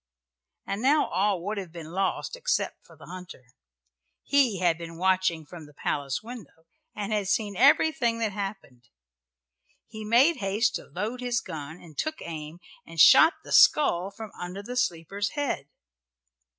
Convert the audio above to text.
And now all would have been lost except for the hunter. He had been watching from the palace window and had seen everything that happened. He made haste to load his gun, and took aim and shot the skull from under the sleeper's head.